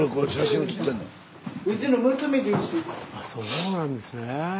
スタジオあっそうなんですね。